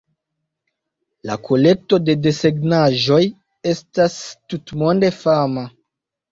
La kolekto de desegnaĵoj estas tutmonde fama.